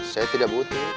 saya tidak butuh